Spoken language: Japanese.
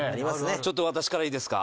ちょっと私からいいですか？